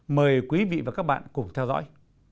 mời quý vị và các bạn cùng theo dõi